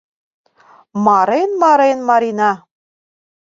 Марен-марен Марина.